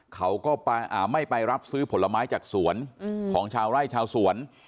เขาก็ไม่ไปรับซื้อผลไม้จากสวนของชาวไร่ชาวสวน